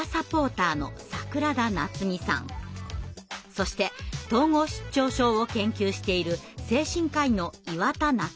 そして統合失調症を研究している精神科医の岩田仲生さんです。